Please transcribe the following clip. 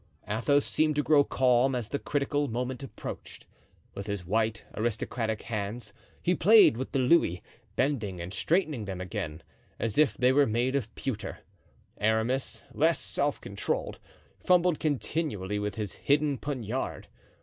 Athos seemed to grow calm as the critical moment approached. With his white, aristocratic hands he played with the louis, bending and straightening them again, as if they were made of pewter. Aramis, less self controlled, fumbled continually with his hidden poniard.